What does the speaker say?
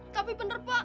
tapi bener pak